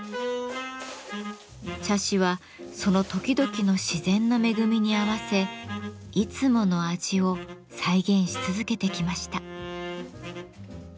茶師はその時々の自然の恵みに合わせいつもの味を再現し続けてきました。